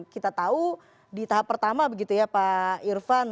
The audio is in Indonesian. kita tahu di tahap pertama begitu ya pak irfan